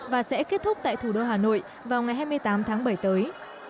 và sẽ kết thúc tại thủ đô hà nội vào ngày hai mươi tám tháng bảy tới